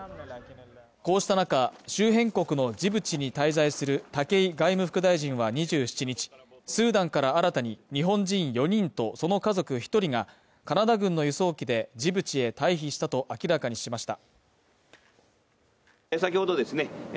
こうした中、周辺国のジブチに滞在する武井外務副大臣は２７日、スーダンから新たに日本人４人とその家族１人がカナダ軍の輸送機でジブチへ退避したと明らかにしました。